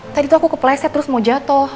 tadi tuh aku kepleset terus mau jatuh